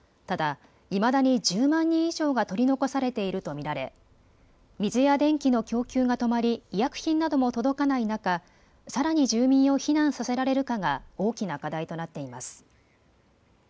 ただ、いまだに１０万人以上が取り残されていると見られ水や電気の供給が止まり、医薬品なども届かない中、さらに住民を避難させられるかが大きな課題となっています。